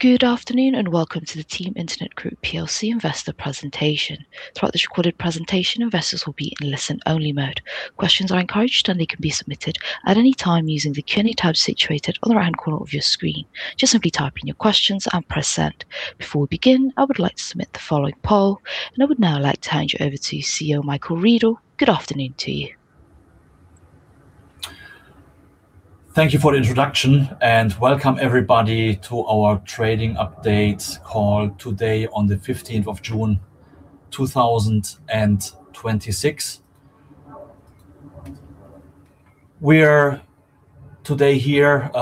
Good afternoon, and welcome to the Team Internet Group PLC investor presentation. Throughout this recorded presentation, investors will be in listen-only mode. Questions are encouraged, and they can be submitted at any time using the Q&A tab situated on the right-hand corner of your screen. Just simply type in your questions and press send. Before we begin, I would like to submit the following poll. I would now like to hand you over to CEO Michael Riedl. Good afternoon to you. Thank you for the introduction, and welcome everybody to our trading update call today on the 15th of June, 2026. We're today here,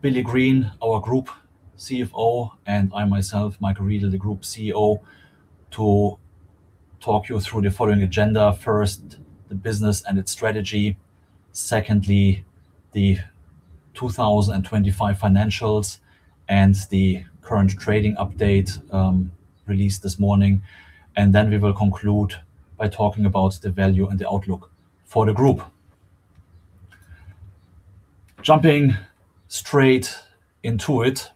Billy Green, our Group CFO, and I myself, Michael Riedl, the Group CEO, to talk you through the following agenda. First, the business and its strategy. Secondly, the 2025 financials and the current trading update released this morning. Then we will conclude by talking about the value and the outlook for the group. Jumping straight into it.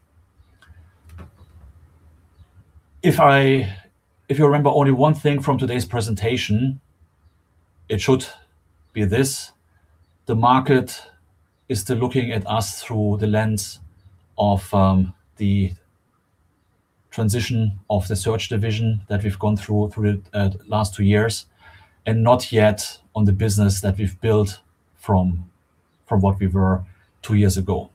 If you remember only one thing from today's presentation, it should be this. The market is still looking at us through the lens of the transition of the Search division that we've gone through the last two years, and not yet on the business that we've built from what we were two years ago.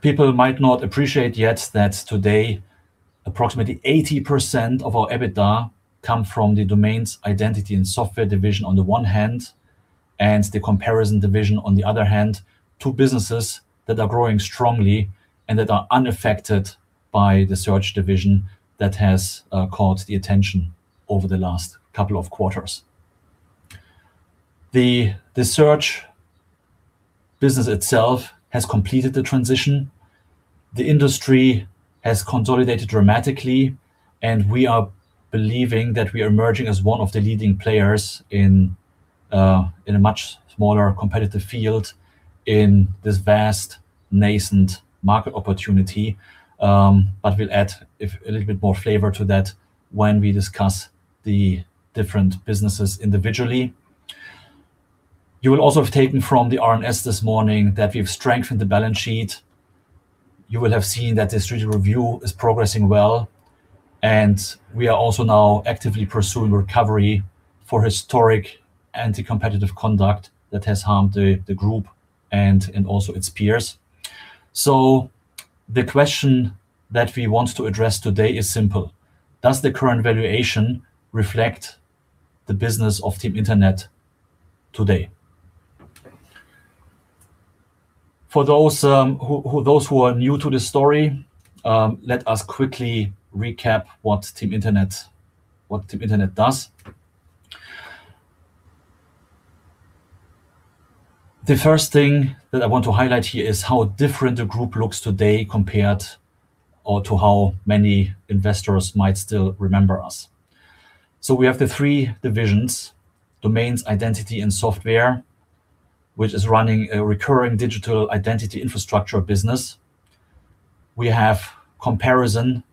People might not appreciate yet that today approximately 80% of our EBITDA come from the Domains, Identity & Software division on the one hand, and the Comparison division on the other hand, two businesses that are growing strongly and that are unaffected by the Search division that has caught the attention over the last couple of quarters. The Search business itself has completed the transition. The industry has consolidated dramatically, and we are believing that we are emerging as one of the leading players in a much smaller competitive field in this vast nascent market opportunity. But we'll add a little bit more flavor to that when we discuss the different businesses individually. You will also have taken from the RNS this morning that we've strengthened the balance sheet. You will have seen that the strategic review is progressing well, and we are also now actively pursuing recovery for historic anti-competitive conduct that has harmed the group and also its peers. The question that we want to address today is simple. Does the current valuation reflect the business of Team Internet today? For those who are new to the story, let us quickly recap what Team Internet does. The first thing that I want to highlight here is how different the group looks today compared to how many investors might still remember us. So we have the three divisions, Domains, Identity & Software, which is running a recurring digital identity infrastructure business. We have Comparison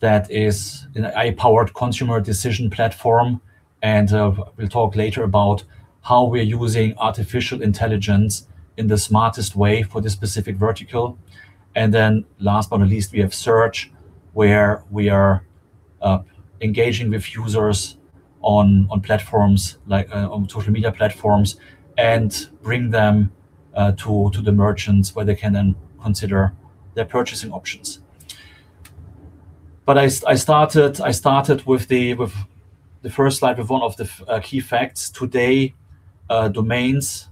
that is an AI-powered consumer decision platform, and we'll talk later about how we're using artificial intelligence in the smartest way for this specific vertical. Last but not least, we have Search, where we are engaging with users on platforms like on social media platforms and bring them to the merchants where they can then consider their purchasing options. I started with the first slide with one of the key facts. Today, Domains,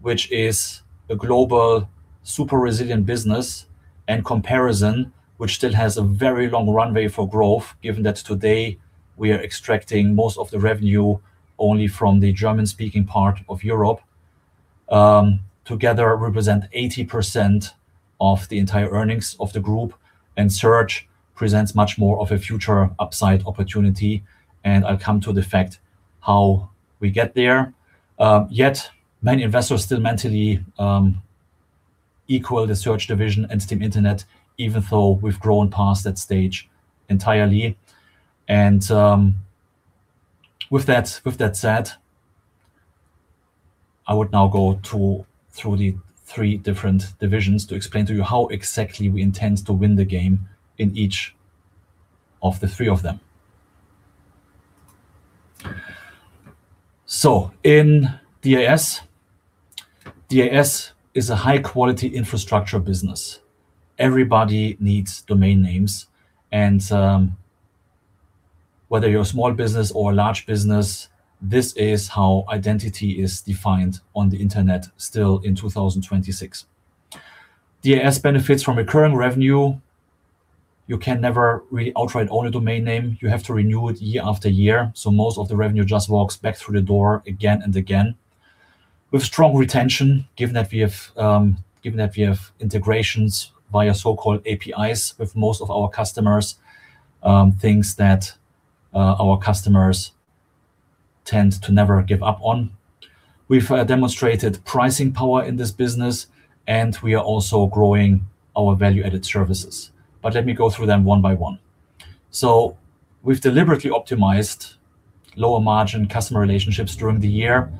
which is a global super resilient business, and Comparison, which still has a very long runway for growth, given that today we are extracting most of the revenue only from the German-speaking part of Europe, together represent 80% of the entire earnings of the group, and Search presents much more of a future upside opportunity. I'll come to the fact how we get there. Yet, many investors still mentally equal the Search division and Team Internet, even though we've grown past that stage entirely. With that said, I would now go through the three different divisions to explain to you how exactly we intend to win the game in each of the three of them. In DIS is a high-quality infrastructure business. Everybody needs domain names, and whether you're a small business or a large business, this is how identity is defined on the internet still in 2026. DIS benefits from recurring revenue. You can never really outright own a domain name. You have to renew it year after year. So most of the revenue just walks back through the door again and again. With strong retention, given that we have integrations via so-called APIs with most of our customers, things that our customers tend to never give up on. We've demonstrated pricing power in this business, and we are also growing our value-added services. Let me go through them one by one. So we've deliberately optimized lower-margin customer relationships during the year,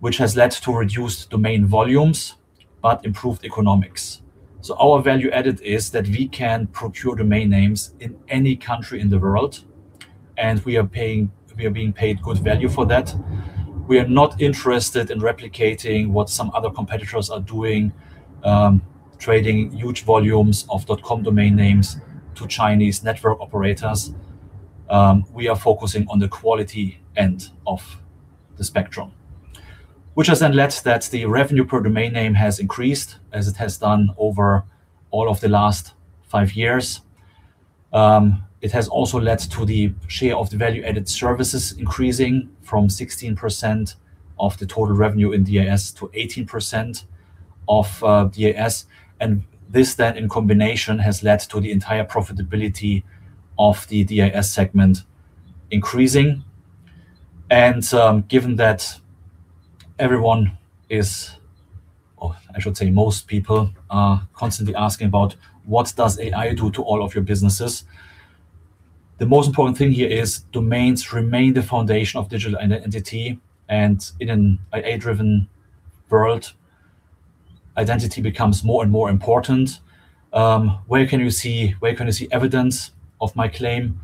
which has led to reduced domain volumes but improved economics. So our value added is that we can procure domain names in any country in the world, and we are being paid good value for that. We are not interested in replicating what some other competitors are doing, trading huge volumes of .com domain names to Chinese network operators. We are focusing on the quality end of the spectrum. Which has then led that the revenue per domain name has increased as it has done over all of the last five years. It has also led to the share of the value-added services increasing from 16% of the total revenue in DIS to 18% of DIS, and this then, in combination, has led to the entire profitability of the DIS segment increasing. Given that everyone is, or I should say most people are constantly asking about what does AI do to all of your businesses? The most important thing here is domains remain the foundation of digital identity, and in an AI-driven world, identity becomes more and more important. Where can you see evidence of my claim?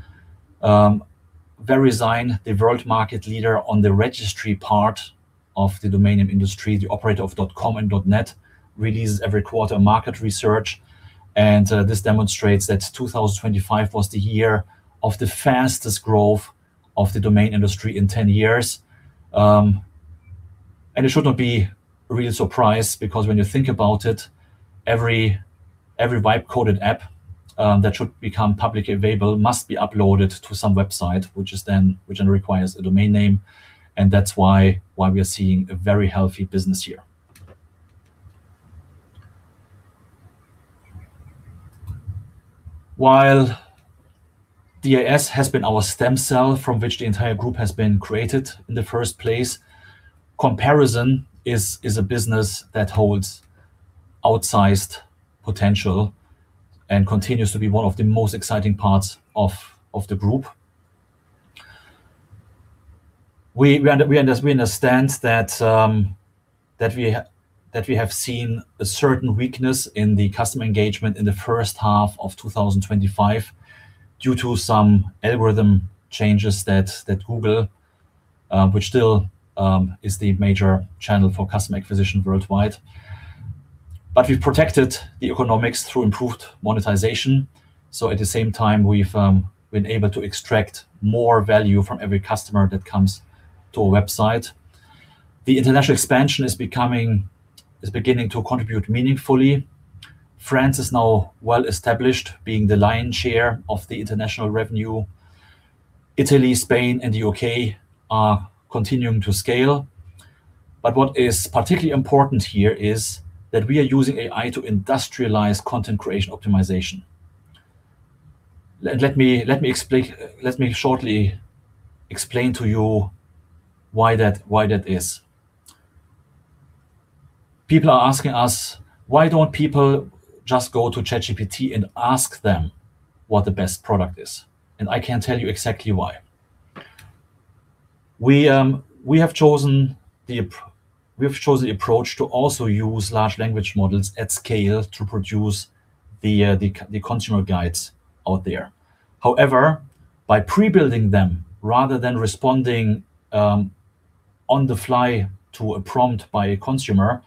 Verisign, the world market leader on the registry part of the domain name industry, the operator of .com and .net, releases every quarter market research, and this demonstrates that 2025 was the year of the fastest growth of the domain industry in 10 years. It should not be a real surprise because when you think about it, every byte-coded app that should become publicly available must be uploaded to some website, which then requires a domain name, and that's why we are seeing a very healthy business here. While DIS has been our stem cell from which the entire Group has been created in the first place, Comparison is a business that holds outsized potential and continues to be one of the most exciting parts of the Group. We understand that we have seen a certain weakness in the customer engagement in the first half of 2025 due to some algorithm changes that Google, which still is the major channel for customer acquisition worldwide. We've protected the economics through improved monetization. At the same time, we've been able to extract more value from every customer that comes to a website. The international expansion is beginning to contribute meaningfully. France is now well established, being the lion's share of the international revenue. Italy, Spain, and the U.K. are continuing to scale. What is particularly important here is that we are using AI to industrialize content creation optimization. Let me shortly explain to you why that is. People are asking us, why don't people just go to ChatGPT and ask them what the best product is? I can tell you exactly why. We have chosen the approach to also use large language models at scale to produce the consumer guides out there. However, by pre-building them rather than responding on the fly to a prompt by a consumer,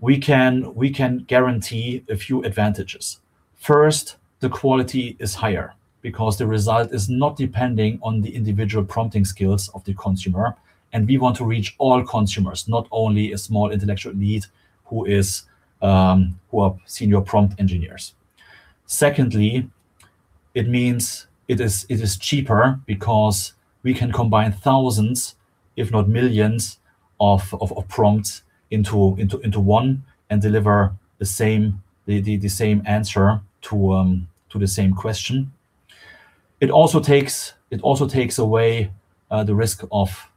we can guarantee a few advantages. First, the quality is higher because the result is not depending on the individual prompting skills of the consumer, and we want to reach all consumers, not only a small intellectual elite who are senior prompt engineers. Secondly, it means it is cheaper because we can combine thousands, if not millions of prompts into one and deliver the same answer to the same question. It also takes away the risk of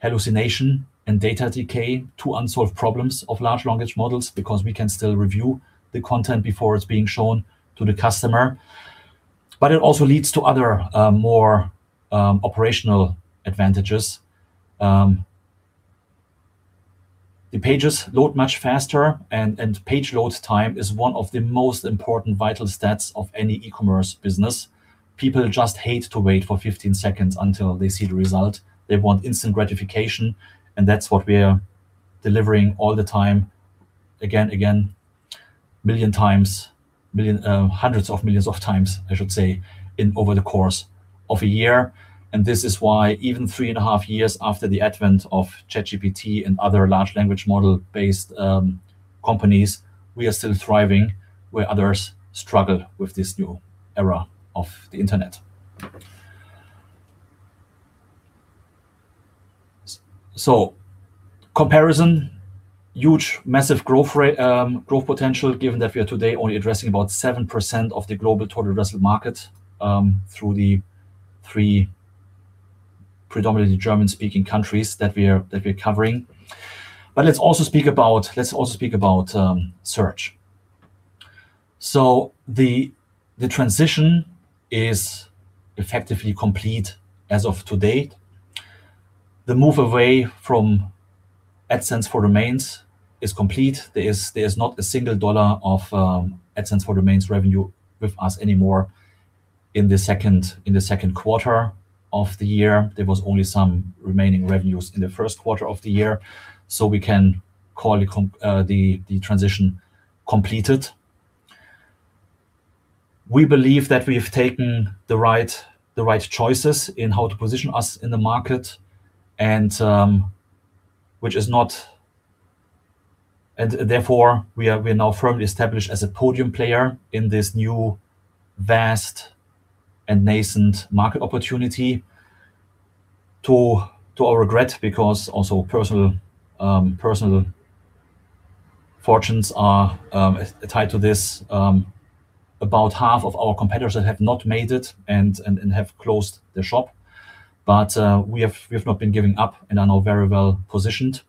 hallucination and data decay to unsolved problems of large language models because we can still review the content before it's being shown to the customer. It also leads to other, more operational advantages. The pages load much faster, and page load time is one of the most important vital stats of any e-commerce business. People just hate to wait for 15 seconds until they see the result. They want instant gratification, and that's what we are delivering all the time. Again, million times, hundreds of millions of times, I should say, over the course of a year. This is why even three and a half years after the advent of ChatGPT and other large language model-based companies, we are still thriving where others struggle with this new era of the internet. Comparison, huge, massive growth potential given that we are today only addressing about 7% of the global total addressable market through the three predominantly German-speaking countries that we're covering. Let's also speak about Search. The transition is effectively complete as of today. The move away from AdSense for Domains is complete. There is not a single dollar of AdSense for Domains revenue with us anymore in the second quarter of the year. There were only some remaining revenues in the first quarter of the year, so we can call the transition completed. We believe that we have taken the right choices in how to position us in the market. We are now firmly established as a podium player in this new vast and nascent market opportunity. To our regret, because also personal fortunes are tied to this, about half of our competitors have not made it and have closed their shop. We have not been giving up and are now very well positioned.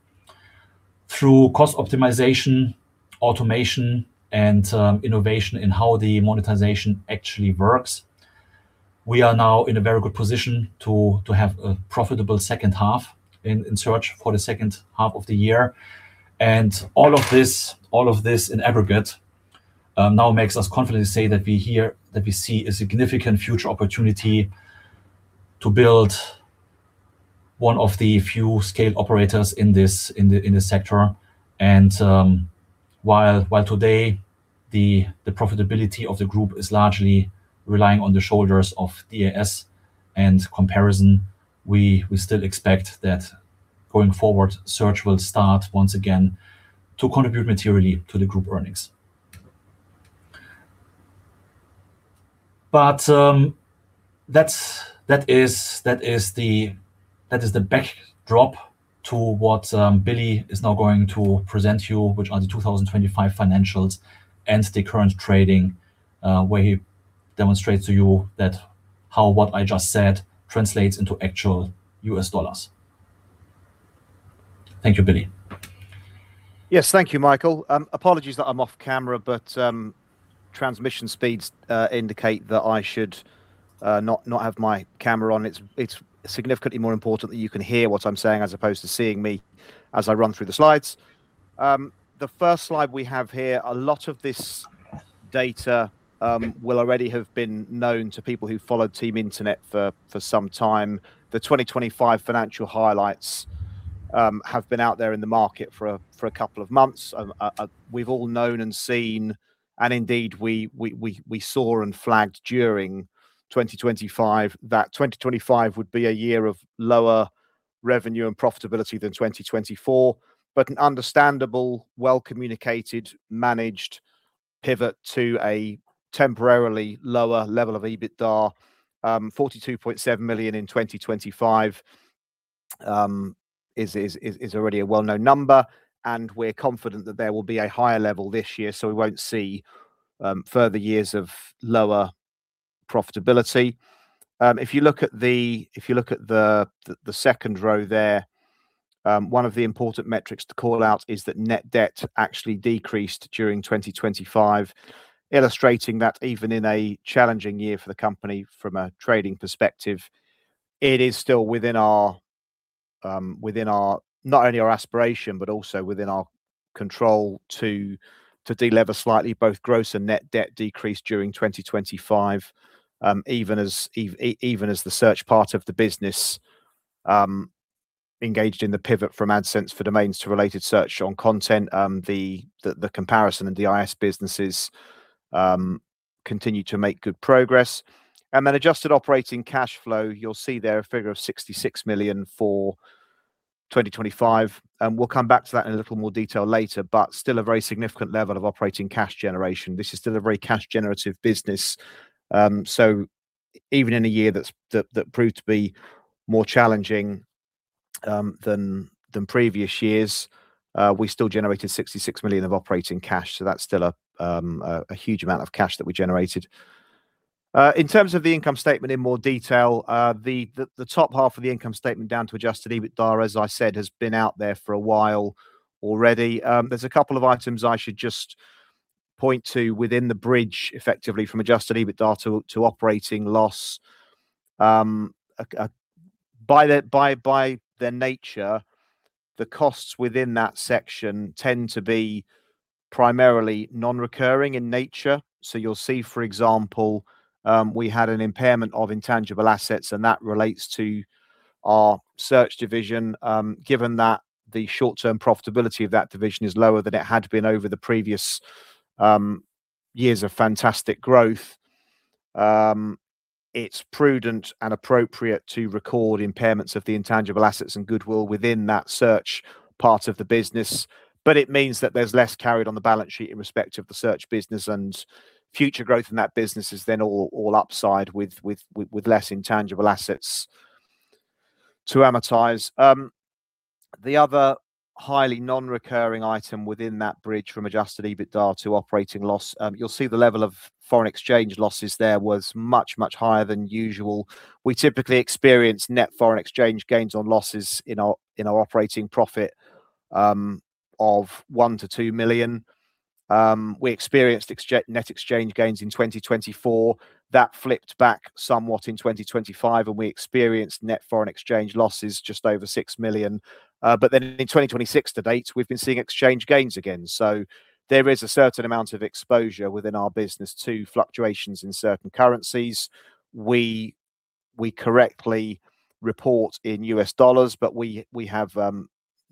Through cost optimization, automation, and innovation in how the monetization actually works, we are now in a very good position to have a profitable second half in Search for the second half of the year. All of this in aggregate now makes us confidently say that we see a significant future opportunity to build one of the few scale operators in the sector. While today the profitability of the group is largely relying on the shoulders of DIS and Comparison, we still expect that going forward, Search will start once again to contribute materially to the group earnings. That is the backdrop to what Billy is now going to present you, which are the 2025 financials and the current trading, where he demonstrates to you that how what I just said translates into actual U.S. dollars. Thank you, Billy. Yes. Thank you, Michael. Apologies that I'm off camera. Transmission speeds indicate that I should not have my camera on. It's significantly more important that you can hear what I'm saying as opposed to seeing me as I run through the slides. The first slide we have here, a lot of this data will already have been known to people who followed Team Internet for some time. The 2025 financial highlights have been out there in the market for a couple of months. We've all known and seen. We saw and flagged during 2025 that 2025 would be a year of lower revenue and profitability than 2024, an understandable, well-communicated, managed pivot to a temporarily lower level of EBITDA. $42.7 million in 2025 is already a well-known number. We're confident that there will be a higher level this year. We won't see further years of lower profitability. If you look at the second row there, one of the important metrics to call out is that net debt actually decreased during 2025, illustrating that even in a challenging year for the company from a trading perspective, it is still within not only our aspiration but also within our control to delever slightly. Both gross and net debt decreased during 2025, even as the Search part of the business engaged in the pivot from AdSense for Domains to Related Search on Content. The Comparison and the DIS businesses continue to make good progress. Adjusted operating cash flow, you'll see there a figure of $66 million for 2025. We'll come back to that in a little more detail later, a very significant level of operating cash generation. This is still a very cash generative business. Even in a year that proved to be more challenging than previous years, we still generated $66 million of operating cash, so that's still a huge amount of cash that we generated. In terms of the income statement in more detail, the top half of the income statement down to adjusted EBITDA, as I said, has been out there for a while already. There's a couple of items I should just point to within the bridge, effectively, from adjusted EBITDA to operating loss. By their nature, the costs within that section tend to be primarily non-recurring in nature. You'll see, for example, we had an impairment of intangible assets, and that relates to our Search division. Given that the short-term profitability of that division is lower than it had been over the previous years of fantastic growth, it's prudent and appropriate to record impairments of the intangible assets and goodwill within that Search part of the business. It means that there's less carried on the balance sheet in respect of the Search business, and future growth in that business is then all upside with less intangible assets to amortize. The other highly non-recurring item within that bridge from adjusted EBITDA to operating loss, you'll see the level of foreign exchange losses there was much, much higher than usual. We typically experience net foreign exchange gains on losses in our operating profit of $1 million-$2 million. We experienced net exchange gains in 2024. That flipped back somewhat in 2025, and we experienced net foreign exchange losses just over $6 million. In 2026 to date, we've been seeing exchange gains again. There is a certain amount of exposure within our business to fluctuations in certain currencies. We correctly report in U.S. dollars, we have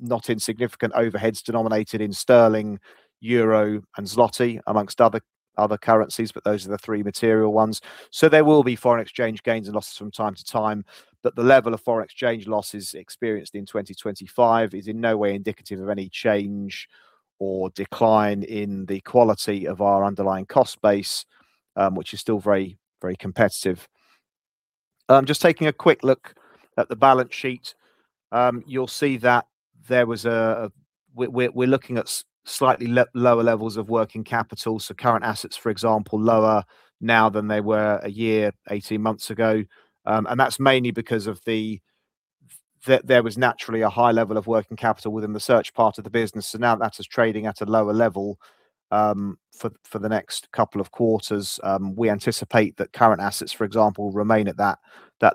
not insignificant overheads denominated in sterling, EUR and zloty, amongst other currencies, but those are the three material ones. There will be foreign exchange gains and losses from time to time, but the level of foreign exchange losses experienced in 2025 is in no way indicative of any change or decline in the quality of our underlying cost base, which is still very, very competitive. Just taking a quick look at the balance sheet. You'll see that we're looking at slightly lower levels of working capital, so current assets, for example, lower now than they were a year, 18 months ago. That's mainly because there was naturally a high level of working capital within the Search part of the business. Now that is trading at a lower level, for the next couple of quarters. We anticipate that current assets, for example, remain at that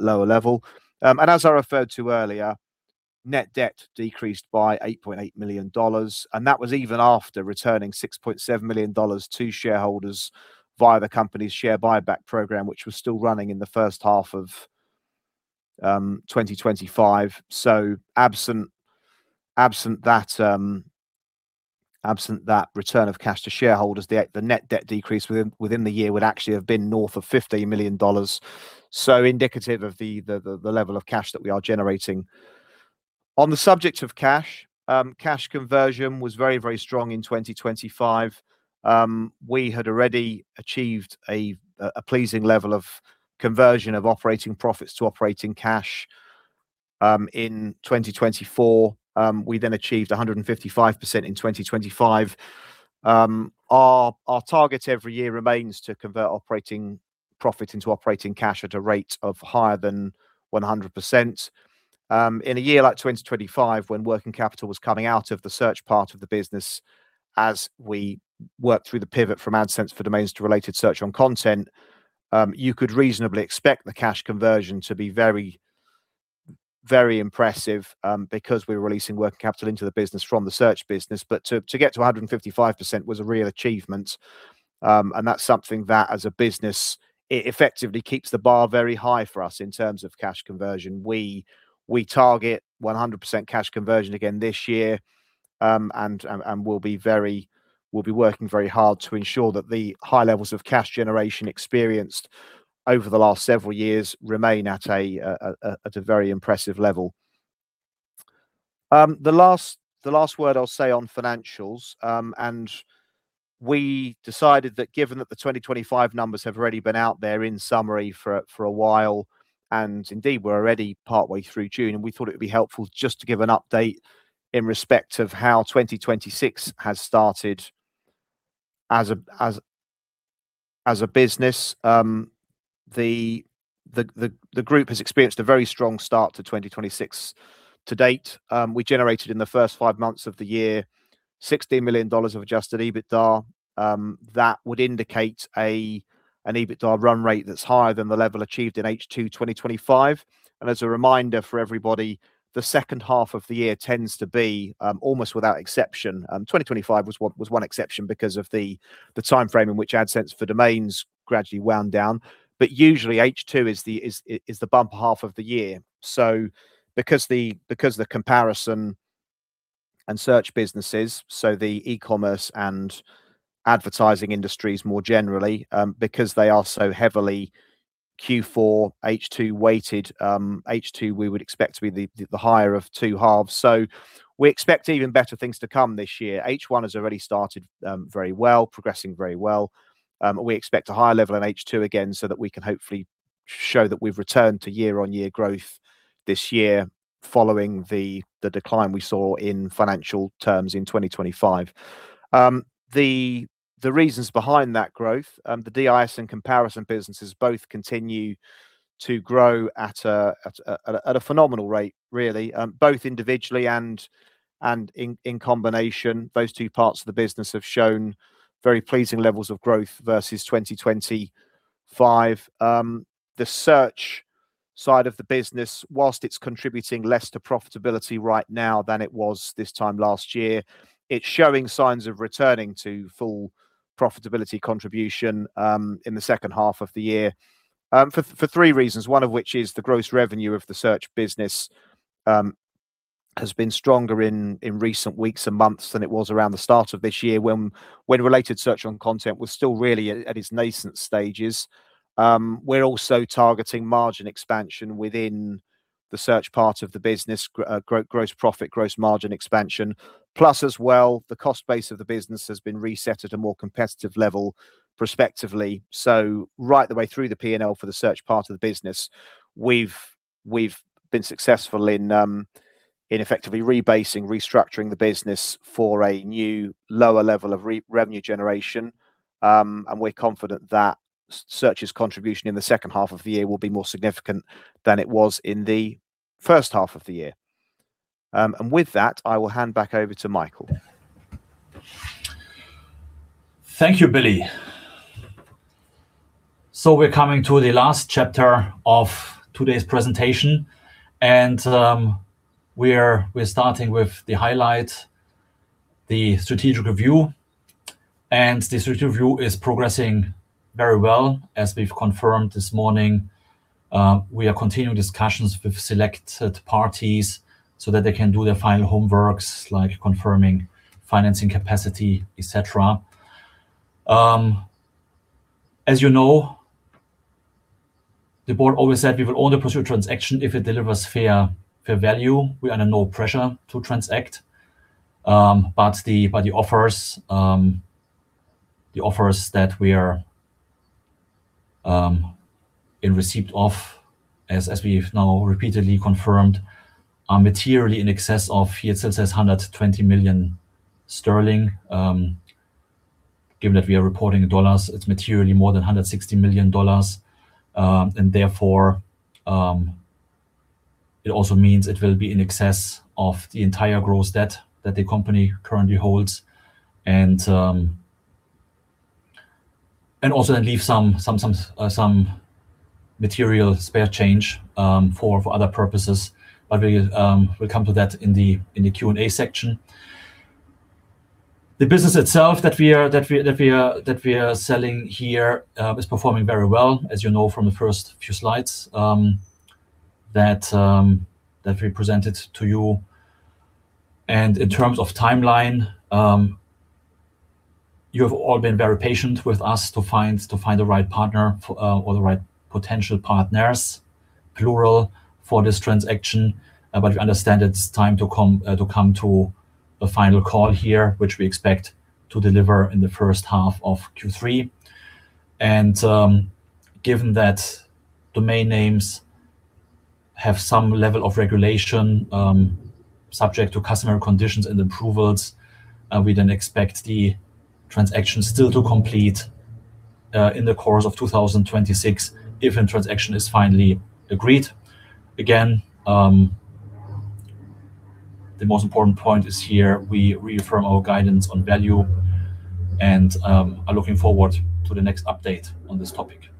lower level. As I referred to earlier, net debt decreased by $8.8 million, and that was even after returning $6.7 million to shareholders via the company's share buyback program, which was still running in the first half of 2025. Absent that return of cash to shareholders, the net debt decrease within the year would actually have been north of $15 million. Indicative of the level of cash that we are generating. On the subject of cash conversion was very, very strong in 2025. We had already achieved a pleasing level of conversion of operating profits to operating cash in 2024. We achieved 155% in 2025. Our target every year remains to convert operating profit into operating cash at a rate of higher than 100%. In a year like 2025 when working capital was coming out of the Search part of the business, as we worked through the pivot from AdSense for Domains to Related Search on Content, you could reasonably expect the cash conversion to be very impressive, because we were releasing working capital into the business from the Search business. To get to 155% was a real achievement. That's something that as a business, it effectively keeps the bar very high for us in terms of cash conversion. We target 100% cash conversion again this year. We'll be working very hard to ensure that the high levels of cash generation experienced over the last several years remain at a very impressive level. The last word I'll say on financials, we decided that given that the 2025 numbers have already been out there in summary for a while, indeed we're already partway through June, we thought it'd be helpful just to give an update in respect of how 2026 has started as a business. The group has experienced a very strong start to 2026 to date. We generated in the first five months of the year, $16 million of adjusted EBITDA. That would indicate an EBITDA run rate that's higher than the level achieved in H2 2025. As a reminder for everybody, the second half of the year tends to be, almost without exception, 2025 was one exception because of the timeframe in which AdSense for Domains gradually wound down. Usually H2 is the bumper half of the year. Because the Comparison and Search businesses, the e-commerce and advertising industries more generally, because they are so heavily Q4 H2 weighted, H2 we would expect to be the higher of two halves. We expect even better things to come this year. H1 has already started very well, progressing very well. We expect a higher level in H2 again, so that we can hopefully show that we've returned to year-on-year growth this year following the decline we saw in financial terms in 2025. The reasons behind that growth, the DIS and Comparison businesses both continue to grow at a phenomenal rate, really, both individually and in combination. Those two parts of the business have shown very pleasing levels of growth versus 2025. The Search side of the business, whilst it's contributing less to profitability right now than it was this time last year, it's showing signs of returning to full profitability contribution, in the second half of the year. For three reasons, one of which is the gross revenue of the Search business has been stronger in recent weeks and months than it was around the start of this year when Related Search on Content was still really at its nascent stages. We're also targeting margin expansion within the Search part of the business, gross profit, gross margin expansion. Plus as well, the cost base of the business has been reset at a more competitive level prospectively. Right the way through the P&L for the Search part of the business, We've been successful in effectively rebasing, restructuring the business for a new lower level of revenue generation. We're confident that Search's contribution in the second half of the year will be more significant than it was in the first half of the year. With that, I will hand back over to Michael. Thank you, Billy. We're coming to the last chapter of today's presentation, we're starting with the highlight, the strategic review. The strategic review is progressing very well, as we've confirmed this morning. We are continuing discussions with selected parties so that they can do their final homework, like confirming financing capacity, et cetera. As you know, the board always said we will only pursue a transaction if it delivers fair value. We are under no pressure to transact. The offers that we are in receipt of, as we've now repeatedly confirmed, are materially in excess of, here it says 120 million sterling. Given that we are reporting in dollars, it's materially more than $160 million. Therefore, it also means it will be in excess of the entire gross debt that the company currently holds, also then leave some material spare change for other purposes. We'll come to that in the Q&A section. The business itself that we are selling here is performing very well, as you know from the first few slides that we presented to you. In terms of timeline, you have all been very patient with us to find the right partner or the right potential partners, plural, for this transaction. We understand it's time to come to a final call here, which we expect to deliver in the first half of Q3. Given that domain names have some level of regulation, subject to customary conditions and approvals, we then expect the transaction still to complete in the course of 2026 if a transaction is finally agreed. The most important point is here we reaffirm our guidance on value and are looking forward to the next update on this topic.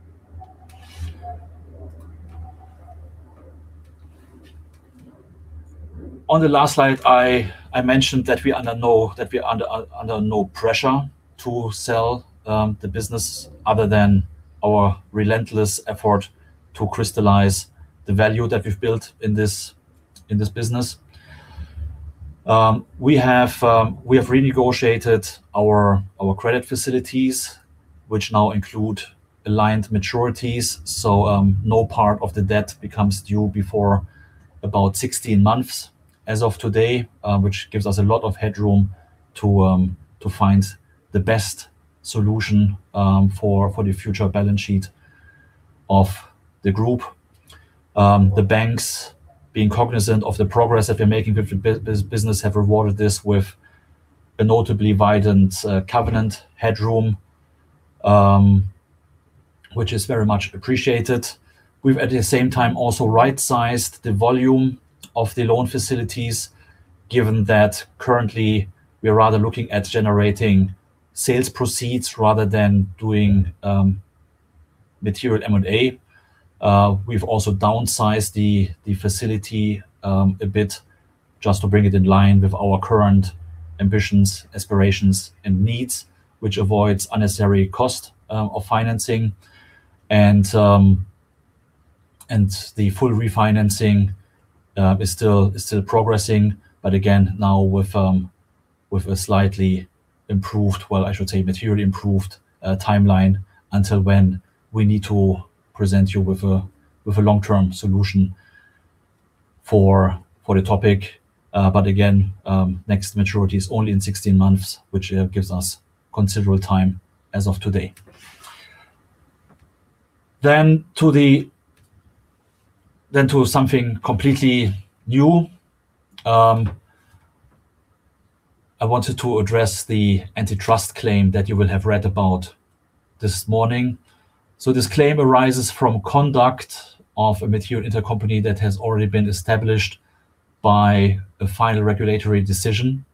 On the last slide, I mentioned that we are under no pressure to sell the business other than our relentless effort to crystallize the value that we've built in this business. We have renegotiated our credit facilities, which now include aligned maturities, so no part of the debt becomes due before about 16 months as of today, which gives us a lot of headroom to find the best solution for the future balance sheet of the group. The banks, being cognizant of the progress that we're making with the business, have rewarded this with a notably widened covenant headroom, which is very much appreciated. We've, at the same time, also right-sized the volume of the loan facilities, given that currently we are rather looking at generating sales proceeds rather than doing material M&A. We've also downsized the facility a bit just to bring it in line with our current ambitions, aspirations, and needs, which avoids unnecessary cost of financing. The full refinancing is still progressing, but again, now with a slightly improved, well, I should say materially improved timeline until when we need to present you with a long-term solution for the topic. Again, next maturity is only in 16 months, which gives us considerable time as of today. To something completely new. I wanted to address the antitrust claim that you will have read about this morning. This claim arises from conduct of a material intercompany that has already been established by a final regulatory decision.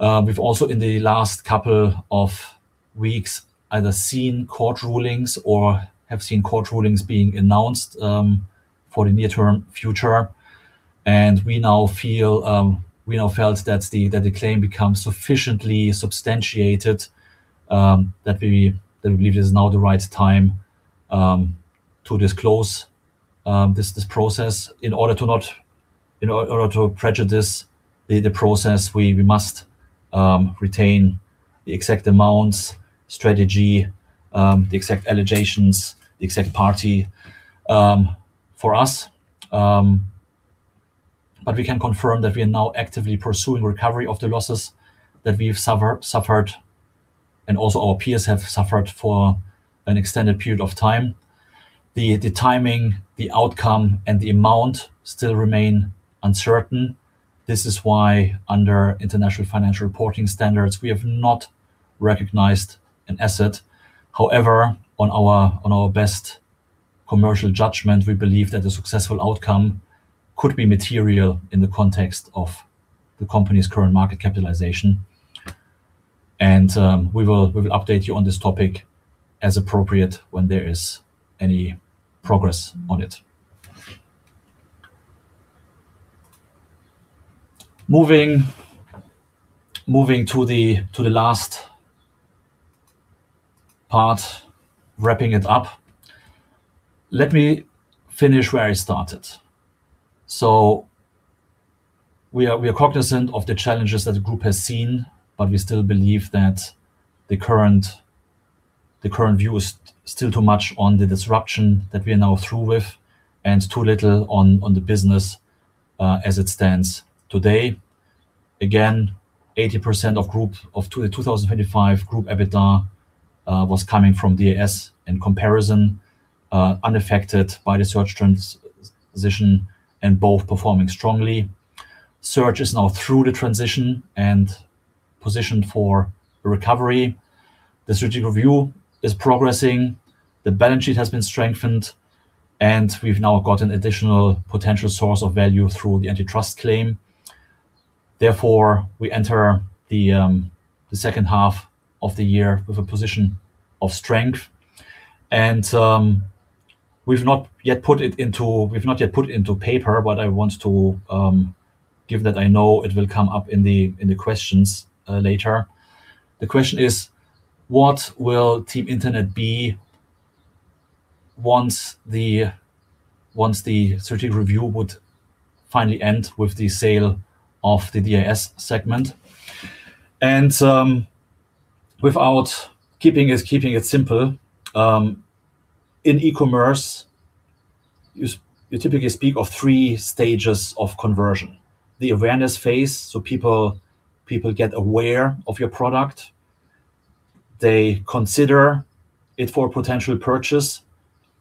We've also, in the last couple of weeks, either seen court rulings or have seen court rulings being announced for the near-term future. We now felt that the claim becomes sufficiently substantiated, that we believe this is now the right time to disclose this process. In order to prejudice the process, we must retain the exact amounts, strategy, the exact allegations, the exact party. We can confirm that we are now actively pursuing recovery of the losses that we've suffered, and also our peers have suffered for an extended period of time. The timing, the outcome, and the amount still remain uncertain. This is why under International Financial Reporting Standards, we have not recognized an asset. However, on our best commercial judgment, we believe that a successful outcome could be material in the context of the company's current market capitalization. We will update you on this topic as appropriate when there is any progress on it. Moving to the last part, wrapping it up. Let me finish where I started. We are cognizant of the challenges that the group has seen, but we still believe that the current view is still too much on the disruption that we are now through with, and too little on the business as it stands today. Again, 80% of 2025 group EBITDA was coming from DIS in Comparison, unaffected by the Search transition and both performing strongly. Search is now through the transition and positioned for recovery. The strategic review is progressing. The balance sheet has been strengthened, and we've now got an additional potential source of value through the antitrust claim. Therefore, we enter the second half of the year with a position of strength, and we've not yet put it into paper, but I want to give that I know it will come up in the questions later. The question is: What will Team Internet be once the strategic review would finally end with the sale of the DIS segment? Without keeping it simple, in e-commerce, you typically speak of three stages of conversion. The awareness phase, people get aware of your product. They consider it for potential purchase,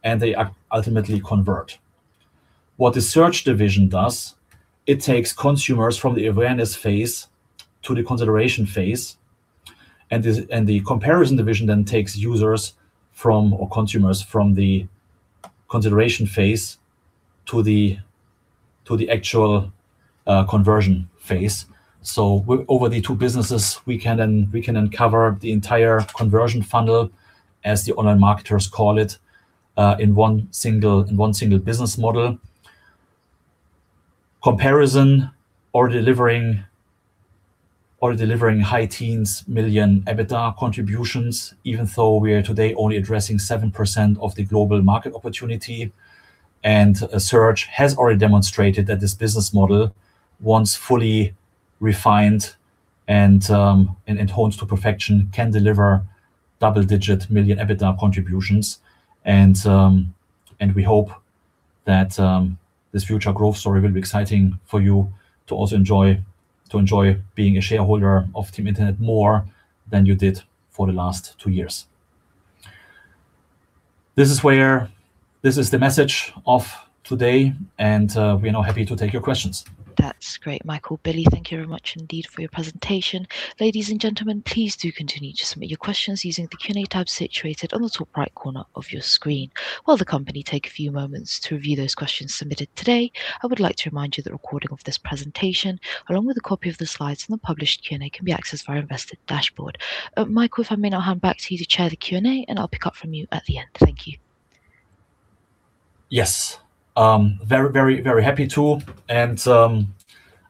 and they ultimately convert. What the Search division does, it takes consumers from the awareness phase to the consideration phase, and the Comparison division then takes users or consumers from the consideration phase to the actual conversion phase. Over the two businesses, we can then cover the entire conversion funnel, as the online marketers call it, in one single business model. Comparison are delivering high teens million EBITDA contributions, even though we are today only addressing 7% of the global market opportunity. Search has already demonstrated that this business model, once fully refined and honed to perfection, can deliver double-digit million EBITDA contributions. We hope that this future growth story will be exciting for you to also enjoy being a shareholder of Team Internet more than you did for the last two years. This is the message of today. We are now happy to take your questions. That's great, Michael, Billy. Thank you very much indeed for your presentation. Ladies and gentlemen, please do continue to submit your questions using the Q&A tab situated on the top right corner of your screen. While the company takes a few moments to review those questions submitted today, I would like to remind you that a recording of this presentation, along with a copy of the slides and the published Q&A, can be accessed via investor dashboard. Michael, if I may now hand back to you to chair the Q&A. I'll pick up from you at the end. Thank you. Yes. Very happy to.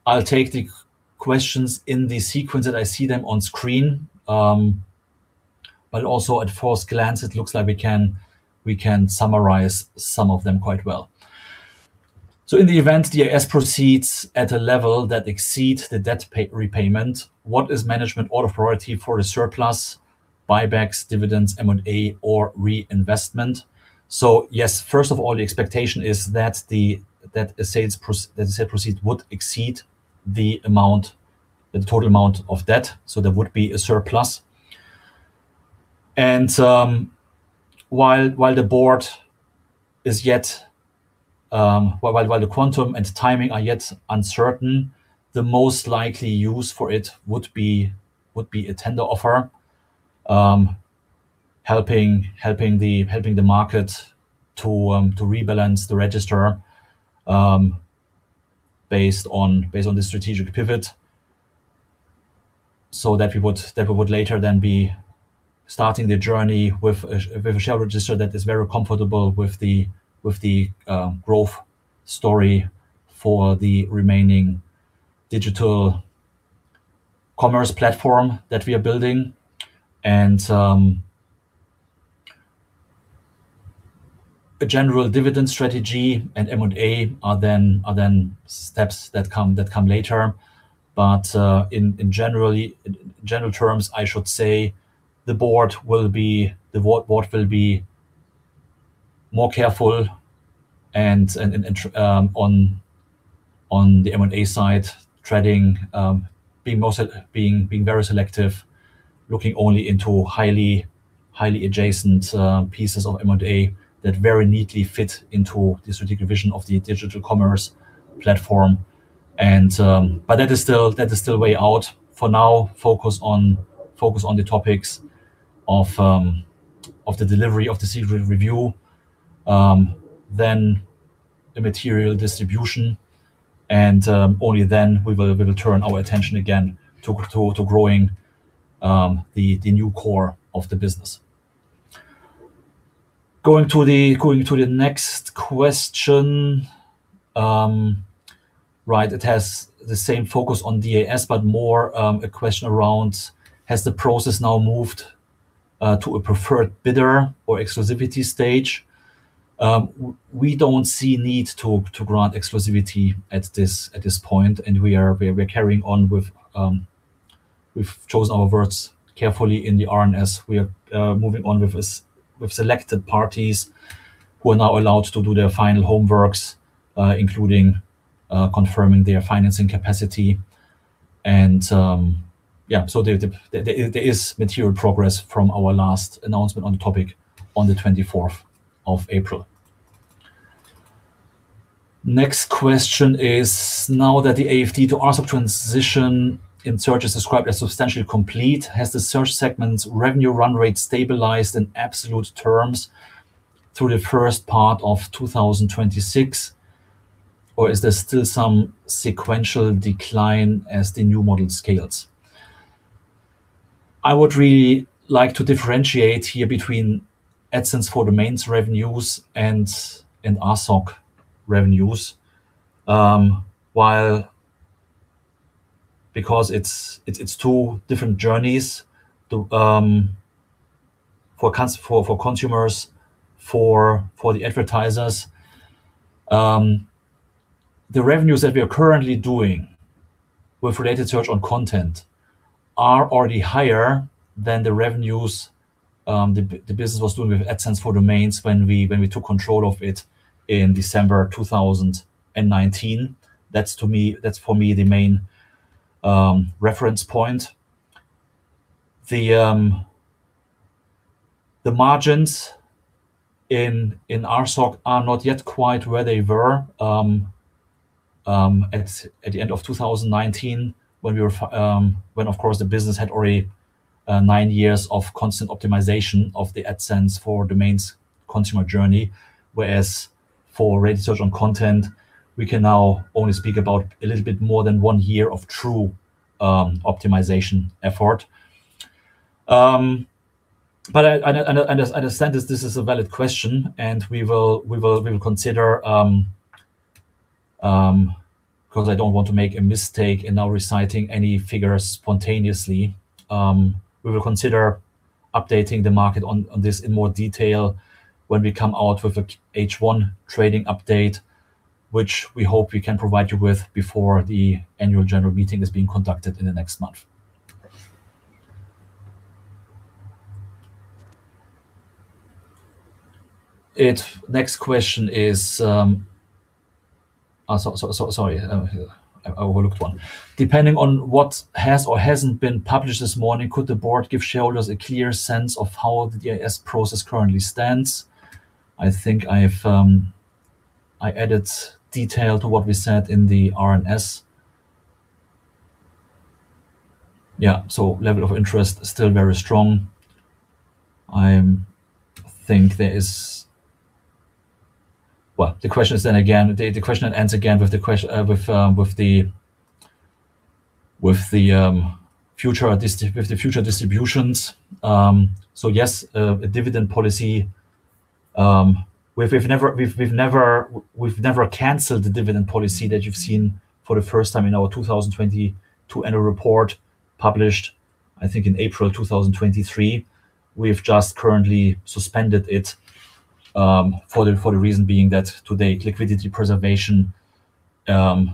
I'll take the questions in the sequence that I see them on screen. Also at first glance, it looks like we can summarize some of them quite well. In the event DIS proceeds at a level that exceeds the debt repayment, what is management order priority for a surplus, buybacks, dividends, M&A or reinvestment? Yes, first of all, the expectation is that the sale proceed would exceed the total amount of debt, so there would be a surplus. While the quantum and timing are yet uncertain, the most likely use for it would be a tender offer, helping the market to rebalance the register based on the strategic pivot, that we would later then be starting the journey with a share register that is very comfortable with the growth story for the remaining digital commerce platform that we are building. A general dividend strategy and M&A are then steps that come later. In general terms, I should say the board will be more careful on the M&A side, treading, being very selective, looking only into highly adjacent pieces of M&A that very neatly fit into the strategic vision of the digital commerce platform. That is still way out. For now, focus on the topics of the delivery of the strategic review, then the material distribution. Only then we will turn our attention again to growing the new core of the business. Going to the next question. It has the same focus on DIS, but more a question around has the process now moved to a preferred bidder or exclusivity stage? We don't see need to grant exclusivity at this point. We've chosen our words carefully in the RNS. We are moving on with selected parties who are now allowed to do their final homeworks, including confirming their financing capacity. There is material progress from our last announcement on the topic on the 24th of April. Next question is, now that the AFD to ASOC transition in Search is described as substantially complete, has the Search segment's revenue run rate stabilized in absolute terms through the first part of 2026? Or is there still some sequential decline as the new model scales? I would really like to differentiate here between AdSense for Domains revenues and ASOC revenues. Because it's two different journeys for consumers, for the advertisers. The revenues that we are currently doing with Related Search on Content are already higher than the revenues the business was doing with AdSense for Domains when we took control of it in December 2019. That's for me the main reference point. The margins in ASOC are not yet quite where they were at the end of 2019, when, of course, the business had already nine years of constant optimization of the AdSense for Domains consumer journey. Whereas for Related Search on Content, we can now only speak about a little bit more than one year of true optimization effort. I understand this is a valid question, and we will consider, because I don't want to make a mistake in now reciting any figures spontaneously. We will consider updating the market on this in more detail when we come out with the H1 trading update, which we hope we can provide you with before the annual general meeting is being conducted in the next month. Next question is. Sorry, I overlooked one. Depending on what has or hasn't been published this morning, could the board give shareholders a clear sense of how the DIS process currently stands? I think I added detail to what we said in the RNS. Level of interest still very strong. The question ends again with the future distributions. Yes, a dividend policy. We've never canceled the dividend policy that you've seen for the first time in our 2022 annual report published, I think, in April 2023. We've just currently suspended it, for the reason being that to date, liquidity preservation was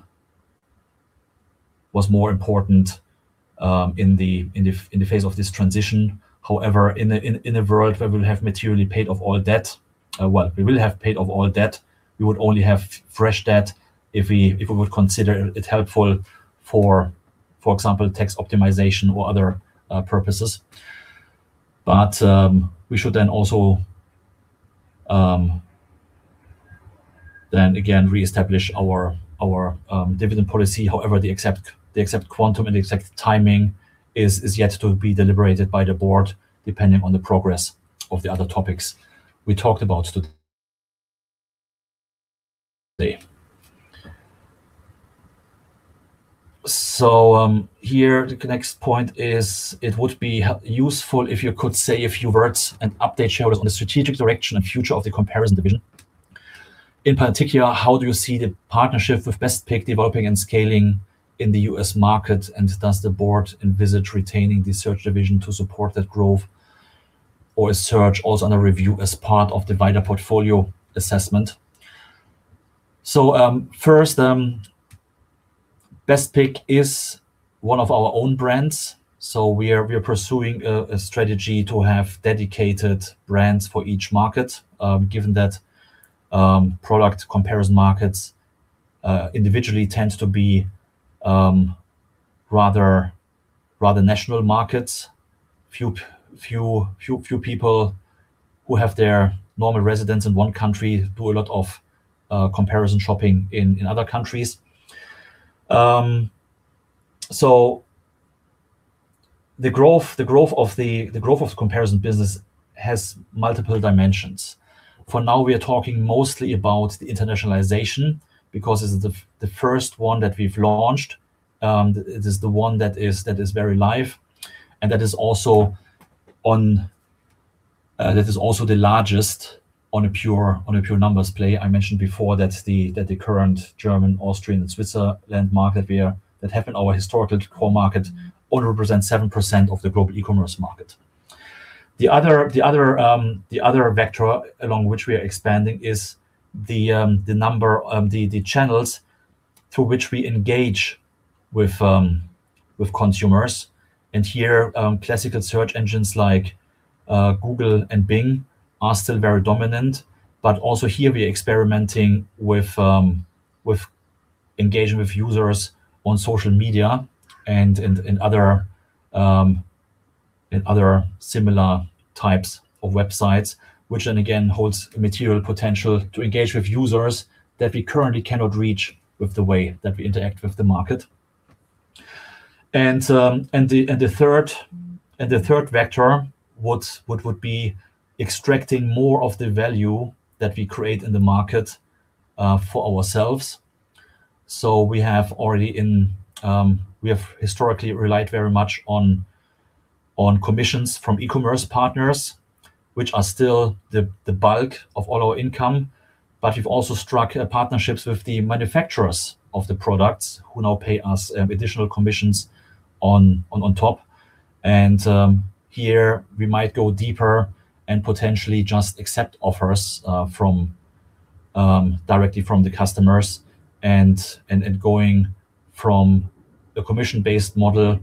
more important in the phase of this transition. However, in a world where we will have materially paid off all debt, we will have paid off all debt. We would only have fresh debt if we would consider it helpful, for example, tax optimization or other purposes. We should then also then again reestablish our dividend policy. However, the exact quantum and the exact timing is yet to be deliberated by the board, depending on the progress of the other topics we talked about today. The next point is it would be useful if you could say a few words and update shareholders on the strategic direction and future of the Comparison division. In particular, how do you see the partnership with BestPick developing and scaling in the U.S. market? And does the board envisage retaining the Search division to support that growth? Or is Search also under review as part of the wider portfolio assessment? First BestPick is one of our own brands. We are pursuing a strategy to have dedicated brands for each market, given that product comparison markets individually tends to be rather national markets. Few people who have their normal residence in one country do a lot of comparison shopping in other countries. The growth of the Comparison business has multiple dimensions. For now, we are talking mostly about the internationalization because this is the first one that we've launched. It is the one that is very live and that is also the largest on a pure numbers play. I mentioned before that the current German, Austrian, and Switzerland market that have been our historical core market only represent 7% of the global e-commerce market. The other vector along which we are expanding is the number of the channels through which we engage with consumers. Here, classical search engines like Google and Bing are still very dominant. Also here, we are experimenting with engaging with users on social media and in other similar types of websites, which then again holds material potential to engage with users that we currently cannot reach with the way that we interact with the market. The third vector, what would be extracting more of the value that we create in the market for ourselves. We have historically relied very much on commissions from e-commerce partners, which are still the bulk of all our income, but we've also struck partnerships with the manufacturers of the products who now pay us additional commissions on top. Here we might go deeper and potentially just accept offers directly from the customers and going from a commission-based model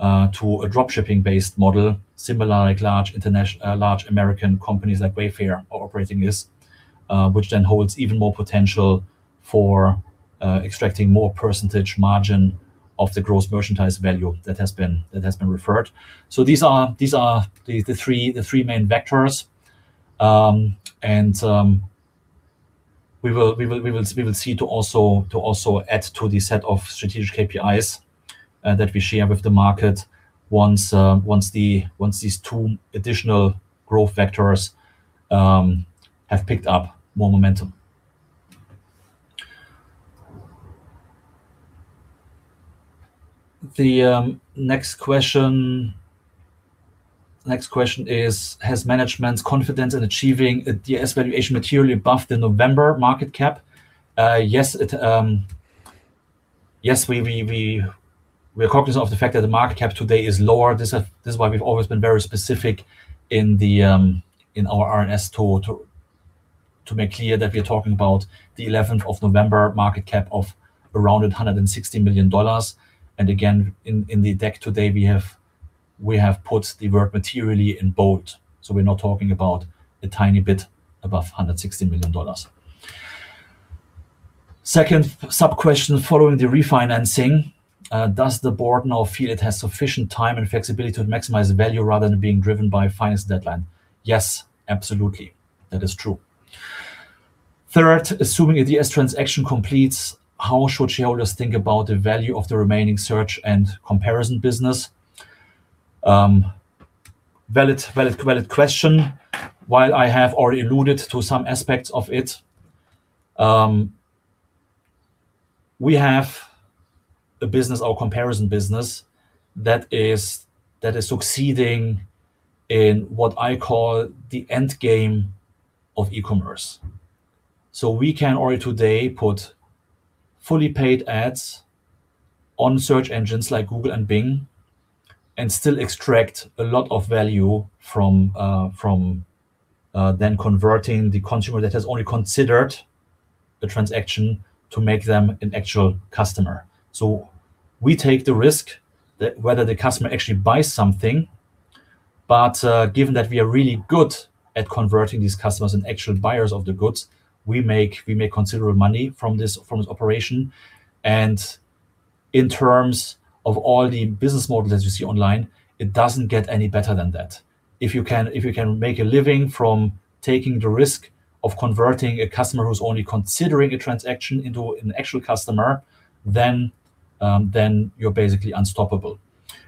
to a drop shipping-based model, similar like large American companies like Wayfair are operating this, which then holds even more potential for extracting more percentage margin of the gross merchandised value that has been referred. These are the three main vectors, and we will see to also add to the set of strategic KPIs that we share with the market once these two additional growth vectors have picked up more momentum. The next question is: Has management's confidence in achieving a DS valuation materially above the November market cap? Yes, we're conscious of the fact that the market cap today is lower. This is why we've always been very specific in our RNS tool to make clear that we're talking about the 11th of November market cap of around $160 million. Again, in the deck today, we have put the word materially in bold. We're not talking about a tiny bit above $160 million. Second sub-question: Following the refinancing, does the board now feel it has sufficient time and flexibility to maximize value rather than being driven by a finance deadline? Yes, absolutely. That is true. Third, assuming a DS transaction completes, how should shareholders think about the value of the remaining Search and Comparison business? Valid question. While I have already alluded to some aspects of it, we have a business, our Comparison business, that is succeeding in what I call the end game of e-commerce. We can already today put fully paid ads on search engines like Google and Bing and still extract a lot of value from then converting the consumer that has only considered the transaction to make them an actual customer. We take the risk that whether the customer actually buys something, but given that we are really good at converting these customers and actual buyers of the goods, we make considerable money from this operation. In terms of all the business models that you see online, it doesn't get any better than that. If you can make a living from taking the risk of converting a customer who's only considering a transaction into an actual customer, then you're basically unstoppable.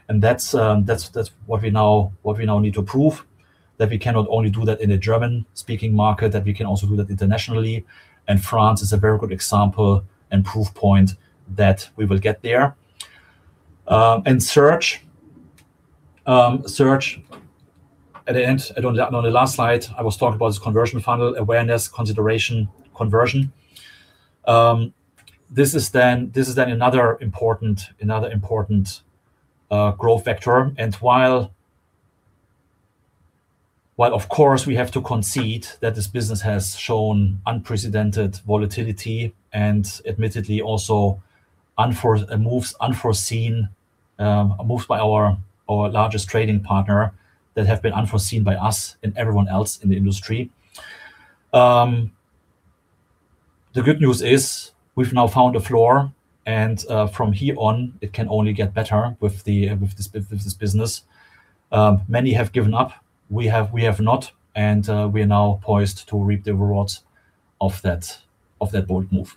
That's what we now need to prove, that we cannot only do that in a German-speaking market, that we can also do that internationally. France is a very good example and proof point that we will get there. Search, on the last slide, I was talking about this conversion funnel, awareness, consideration, conversion. This is another important growth factor. While, of course, we have to concede that this business has shown unprecedented volatility and admittedly also unforeseen moves by our largest trading partner that have been unforeseen by us and everyone else in the industry. The good news is we've now found a floor, and from here on, it can only get better with this business. Many have given up. We have not, and we are now poised to reap the rewards of that bold move.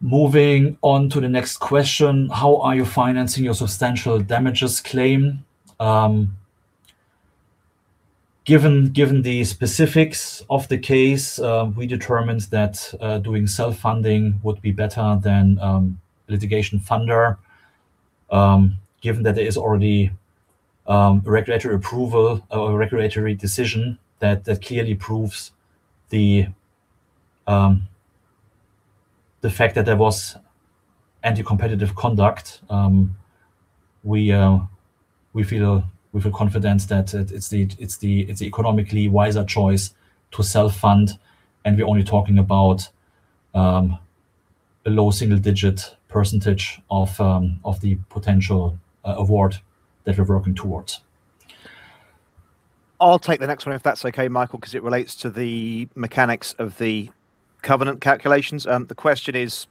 Moving on to the next question. How are you financing your substantial damages claim? Given the specifics of the case, we determined that doing self-funding would be better than litigation funder, given that there is already regulatory approval or regulatory decision that clearly proves the fact that there was anti-competitive conduct. We feel confidence that it's the economically wiser choice to self-fund, and we're only talking about a low single-digit percentage of the potential award that we're working towards. I'll take the next one if that's okay, Michael, because it relates to the mechanics of the covenant calculations. The question is: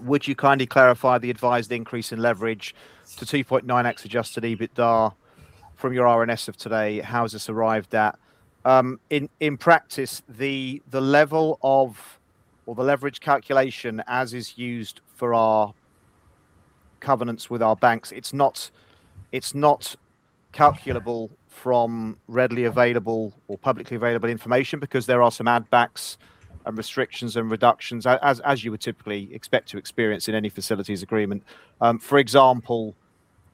Would you kindly clarify the advised increase in leverage to 2.9x adjusted EBITDA from your RNS of today? How is this arrived at? In practice, the level of all the leverage calculation as is used for our covenants with our banks, it's not calculable from readily available or publicly available information because there are some add backs and restrictions and reductions, as you would typically expect to experience in any facilities agreement. For example,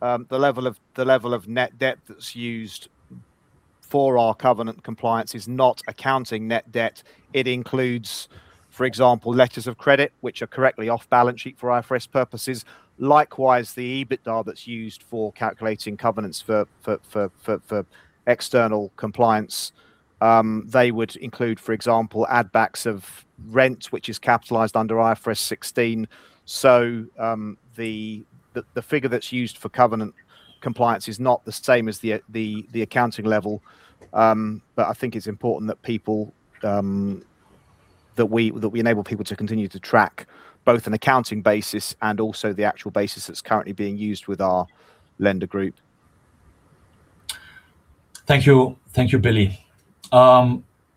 the level of net debt that's used for our covenant compliance is not accounting net debt. It includes, for example, letters of credit, which are correctly off balance sheet for IFRS purposes. Likewise, the EBITDA that's used for calculating covenants for external compliance. They would include, for example, add backs of rent, which is capitalized under IFRS 16. The figure that's used for covenant compliance is not the same as the accounting level. I think it's important that we enable people to continue to track both an accounting basis and also the actual basis that's currently being used with our lender group. Thank you, Billy.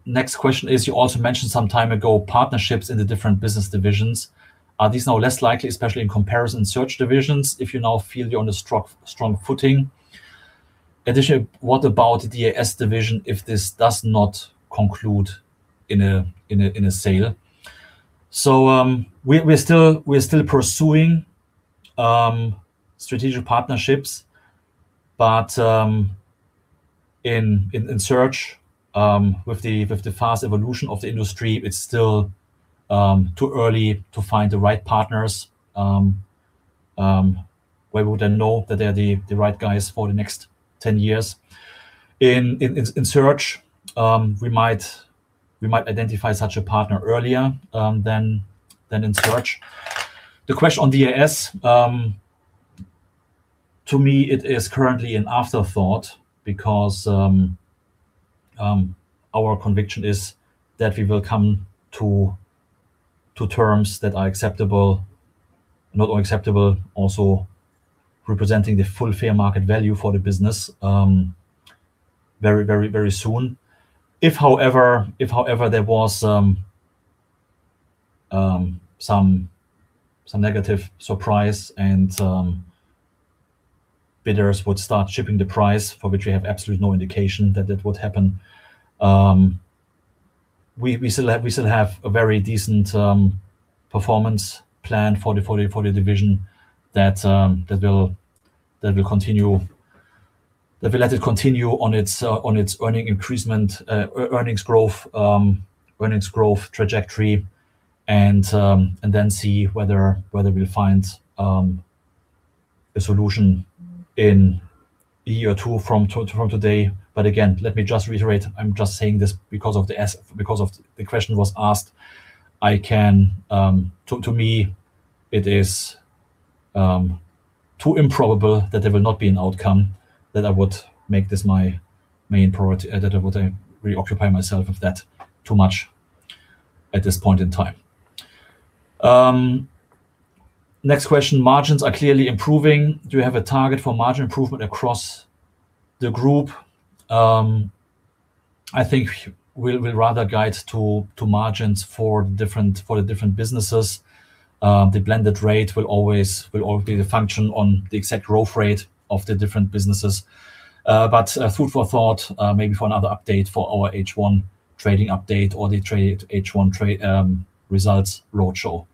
Next question is, you also mentioned some time ago partnerships in the different business divisions. Are these now less likely, especially in Comparison Search divisions, if you now feel you're on a strong footing? Additionally, what about DIS division if this does not conclude in a sale? We're still pursuing strategic partnerships, but in Search, with the fast evolution of the industry, it's still too early to find the right partners where we wouldn't know that they're the right guys for the next 10 years. In Search, we might identify such a partner earlier than in Search. The question on DIS, to me, it is currently an afterthought because our conviction is that we will come to terms that are acceptable, not only acceptable, also representing the full fair market value for the business very soon. If, however, there was some negative surprise and bidders would start chipping the price for which we have absolutely no indication that that would happen, we still have a very decent performance plan for the division that we'll let it continue on its earnings growth trajectory, and then see whether we'll find a solution in a year or two from today. Again, let me just reiterate, I'm just saying this because the question was asked. To me, it is too improbable that there will not be an outcome that I would make this my main priority, that I would reoccupy myself of that too much at this point in time. Next question. Margins are clearly improving. Do you have a target for margin improvement across the group? I think we'll rather guide to margins for the different businesses. The blended rate will always be the function on the exact growth rate of the different businesses. Food for thought, maybe for another update for our H1 trading update or the H1 results roadshow.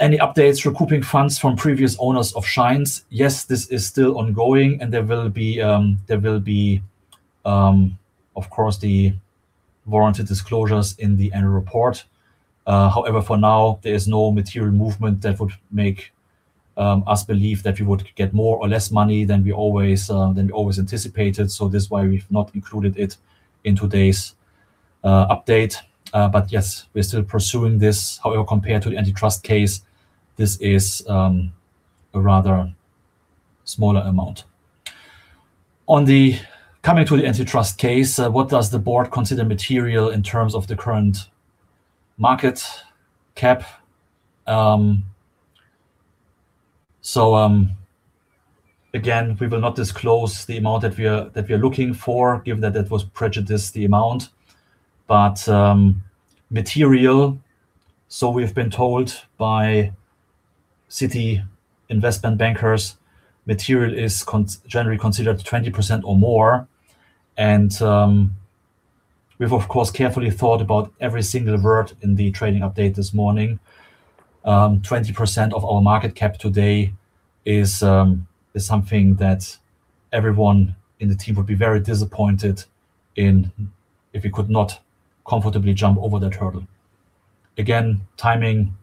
Any updates recouping funds from previous owners of Shinez? Yes, this is still ongoing, and there will be, of course, the warranted disclosures in the annual report. However, for now, there is no material movement that would make us believe that we would get more or less money than we always anticipated. That's why we've not included it in today's update. Yes, we're still pursuing this. However, compared to the antitrust case, this is a rather smaller amount. Coming to the antitrust case, what does the board consider material in terms of the current market cap? Again, we will not disclose the amount that we are looking for, given that that was prejudiced the amount. Material, we've been told by Citi investment bankers, material is generally considered 20% or more. We've, of course, carefully thought about every single word in the trading update this morning. 20% of our market cap today is something that everyone in the team would be very disappointed in if we could not comfortably jump over that hurdle. Again, timing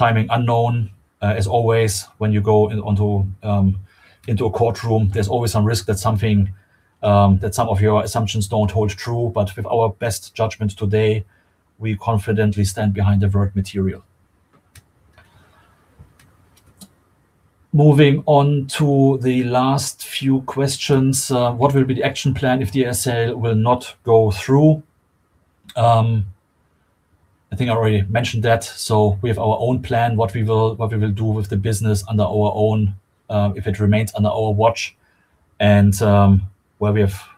unknown. As always, when you go into a courtroom, there's always some risk that some of your assumptions don't hold true. With our best judgment today, we confidently stand behind the word material. Moving on to the last few questions. What will be the action plan if the sale will not go through? I think I already mentioned that. We have our own plan, what we will do with the business if it remains under our watch. Where we have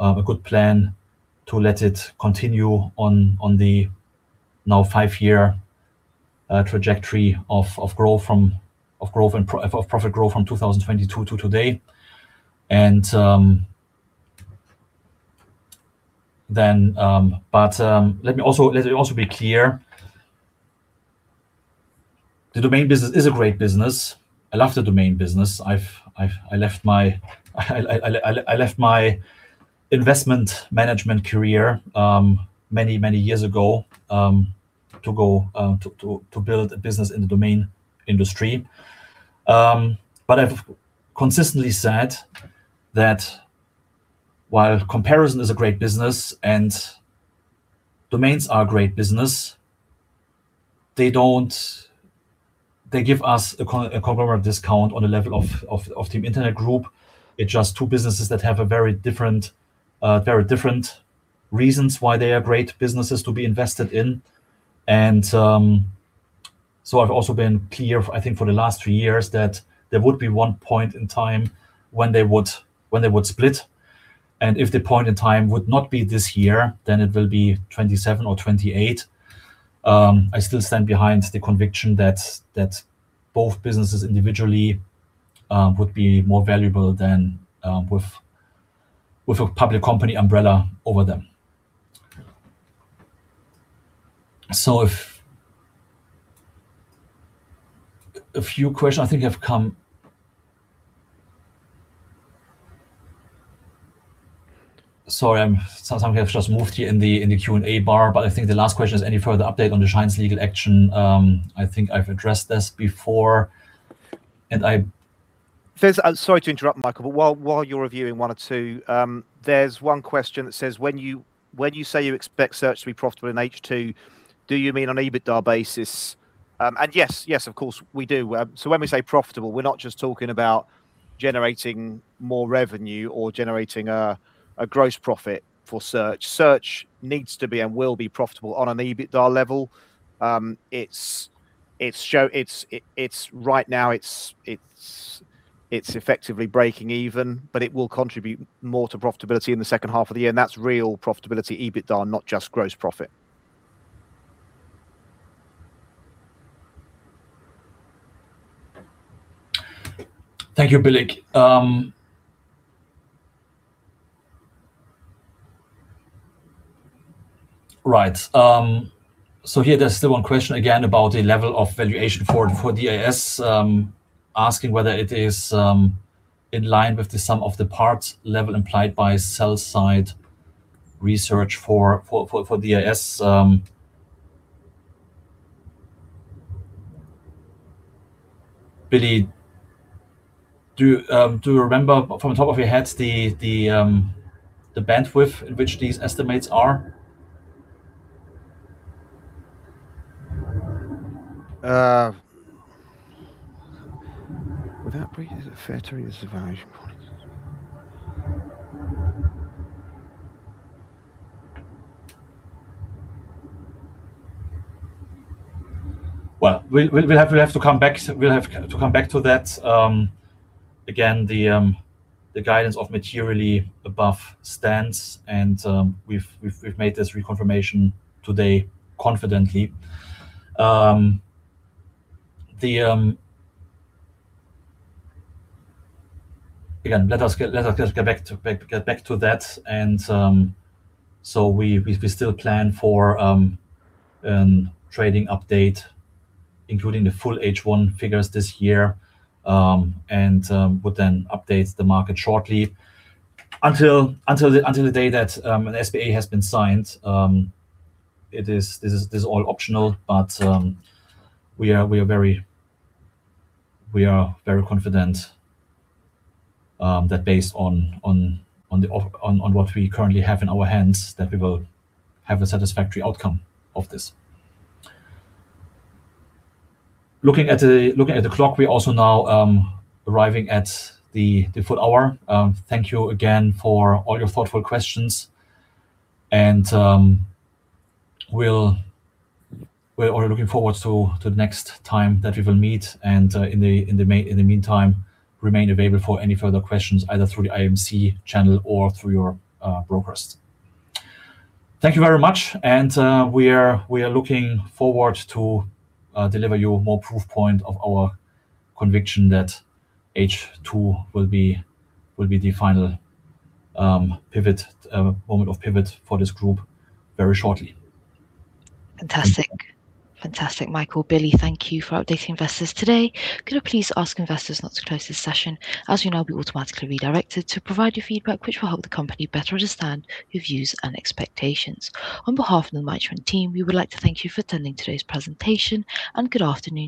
a good plan to let it continue on the now five-year trajectory of profit growth from 2022 to today. Let me also be clear. The domain business is a great business. I love the domain business. I left my investment management career many, many years ago to build a business in the domain industry. I've consistently said that while Comparison is a great business and Domains are a great business, they give us a conglomerate discount on the level of Team Internet Group. It's just two businesses that have very different reasons why they are great businesses to be invested in. I've also been clear, I think, for the last three years that there would be one point in time when they would split. If the point in time would not be this year, then it will be 2027 or 2028. I still stand behind the conviction that both businesses individually would be more valuable than with a public company umbrella over them. A few questions I think have come. Sorry, something has just moved here in the Q&A bar. I think the last question is any further update on the Shinez legal action? I think I've addressed this before. Sorry to interrupt, Michael, while you're reviewing one or two, there's one question that says, when you say you expect Search to be profitable in H2, do you mean on EBITDA basis? Yes, of course, we do. When we say profitable, we're not just talking about generating more revenue or generating a gross profit for Search. Search needs to be and will be profitable on an EBITDA level. Right now it's effectively breaking even, but it will contribute more to profitability in the second half of the year. That's real profitability, EBITDA, not just gross profit. Thank you, Billy. Right. Here there's still one question, again, about the level of valuation for DIS, asking whether it is in line with the sum of the parts level implied by sell side research for DIS. Billy, do you remember from the top of your head the bandwidth in which these estimates are? Would that bring it fair to the valuation points? Well, we'll have to come back to that. Again, the guidance of materially above stands, and we've made this reconfirmation today confidently. Again, let us get back to that. We still plan for an trading update, including the full H1 figures this year, and would then update the market shortly. Until the day that an SPA has been signed, this is all optional, but we are very confident that based on what we currently have in our hands, that we will have a satisfactory outcome of this. Looking at the clock, we're also now arriving at the full hour. Thank you again for all your thoughtful questions, and we're looking forward to the next time that we will meet. In the meantime, remain available for any further questions, either through the IMC channel or through your brokers. Thank you very much. We are looking forward to deliver you more proof point of our conviction that H2 will be the final pivot, moment of pivot for this group very shortly. Fantastic. Fantastic, Michael, Billy, thank you for updating investors today. Could I please ask investors not to close this session, as you'll now be automatically redirected to provide your feedback, which will help the company better understand your views and expectations. On behalf of the Team Internet team, we would like to thank you for attending today's presentation. Good afternoon.